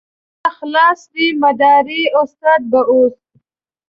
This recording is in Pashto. هر څه خلاص دي مداري استاد به اوس.